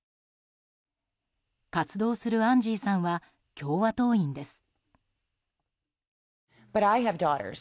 活動するアンジーさんは共和党員です。